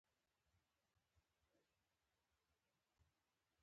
له یوه نسل څخه بل ته په میراث رسېږي پوه شوې!.